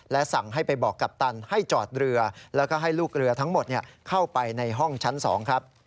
สั่งให้ไปบอกกัปตันให้จอดเรือแล้วก็ให้ลูกเรือทั้งหมดเข้าไปในห้องชั้น๒ครับ